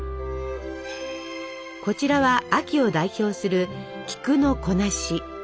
こちらは秋を代表する菊のこなし。